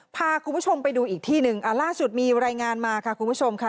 พาคุณผู้ชมไปดูอีกที่หนึ่งล่าสุดมีรายงานมาค่ะคุณผู้ชมค่ะ